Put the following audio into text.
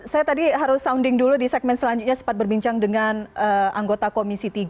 saya tadi harus sounding dulu di segmen selanjutnya sempat berbincang dengan anggota komisi tiga